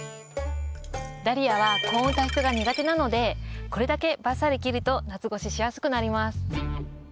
ダリアは高温多湿が苦手なのでこれだけばっさり切ると夏越ししやすくなります。